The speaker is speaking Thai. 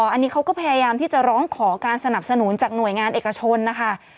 อันนี้เขาก็พยายามที่จะร้องขอการสนับสนุนจากหน่วยงานเอกชนนะคะ